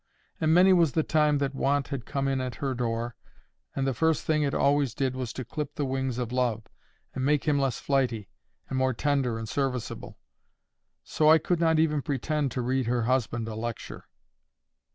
And many was the time that want had come in at her door, and the first thing it always did was to clip the wings of Love, and make him less flighty, and more tender and serviceable. So I could not even pretend to read her husband a lecture.